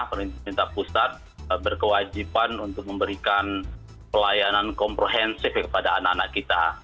pemerintah pusat berkewajiban untuk memberikan pelayanan komprehensif kepada anak anak kita